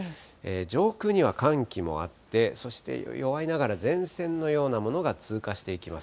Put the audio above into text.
上空には寒気もあって、そして弱いながら、前線のようなものが通過していきます。